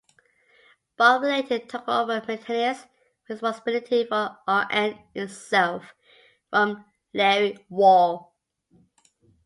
Barber later took over maintenance responsibility for "rn" itself from Larry Wall.